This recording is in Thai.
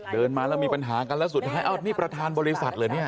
เดินมาแล้วมีปัญหากันแล้วสุดท้ายอ้าวนี่ประธานบริษัทเหรอเนี่ย